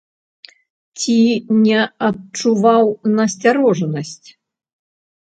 Ці не адчуваў насцярожанасць?